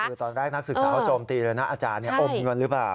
คือตอนแรกนักศึกษาเขาโจมตีเลยนะอาจารย์อมเงินหรือเปล่า